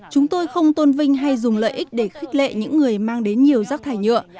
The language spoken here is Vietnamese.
chúng tôi không tôn vinh hay dùng lợi ích để khích lệ những người mang đến nhiều rác thải nhựa